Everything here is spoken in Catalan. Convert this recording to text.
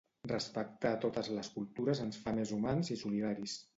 Respectar totes les cultures ens fa més humans i solidaris.